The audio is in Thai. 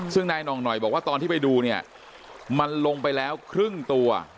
ซึ่งนายห่องหน่อยบอกว่าตอนที่ไปดูเนี่ยมันลงไปแล้วครึ่งตัว